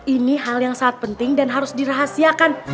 ini hal yang sangat penting dan harus dirahasiakan